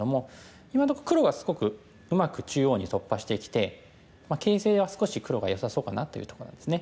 今のところ黒がすごくうまく中央に突破してきて形勢は少し黒がよさそうかなというとこなんですね。